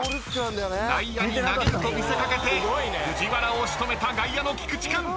［内野に投げると見せかけて藤原を仕留めた外野の菊池君］